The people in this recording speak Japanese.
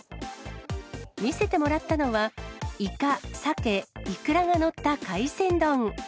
見せてもらったのは、イカ、サケ、イクラが載った海鮮丼。